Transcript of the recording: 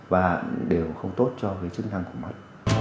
và đều không tốt cho cái chức năng của mắt